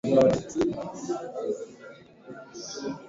muhimu kwa serikali kuelewa faida na gharama